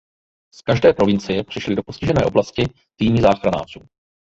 Z každé provincie přišly do postižené oblasti týmy záchranářů.